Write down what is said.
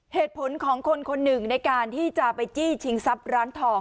เหตุผลของคนคนหนึ่งในการที่จะไปจี้ชิงทรัพย์ร้านทอง